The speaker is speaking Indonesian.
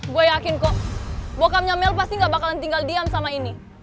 gue yakin kok bokamnya mel pasti gak bakalan tinggal diam sama ini